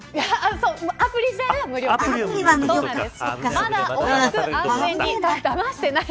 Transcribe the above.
アプリ自体は無料です。